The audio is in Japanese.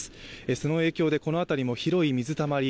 その影響でこの辺りも広い水たまり